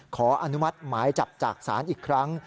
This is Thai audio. ขออนุมัติหมายจับจากศาลอีกครั้ง